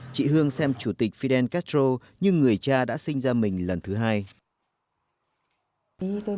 chị hương xem chủ tịch fidel castro như người cha đã sinh ra mình lần thứ hai